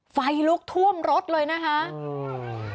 ไฟลุกท่วมรถเลยนะคะอืม